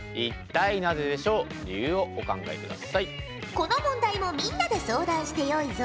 この問題もみんなで相談してよいぞ。